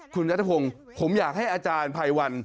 คุณนัทพงศ์ผมอยากให้อาจารย์ภัยวัน